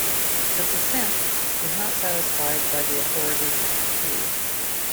The dissent was not satisfied by the authorities used.